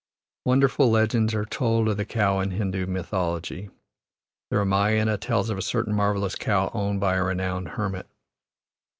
Wonderful legends are told of the cow in Hindoo mythology. The Ramayana tells of a certain marvellous cow owned by a renowned hermit.